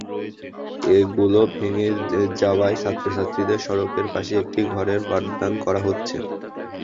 এগুলো ভেঙে যাওয়ায় ছাত্রছাত্রীদের সড়কের পাশে একটি ঘরের পাঠদান করা হচ্ছে।